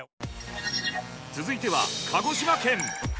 続いては鹿児島県。